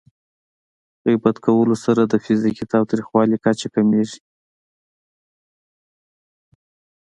غیبت کولو سره د فزیکي تاوتریخوالي کچه کمېږي.